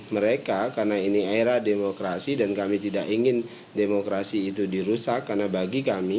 mereka karena ini era demokrasi dan kami tidak ingin demokrasi itu dirusak karena bagi kami